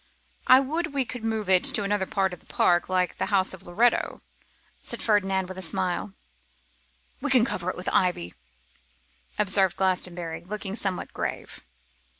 'I would we could move it to another part of the park, like the house of Loretto,' said Ferdinand with a smile. 'We can cover it with ivy,' observed Glastonbury, looking somewhat grave.